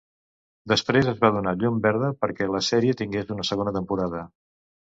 Després, es va donar llum verda perquè la sèrie tingués una segona temporada.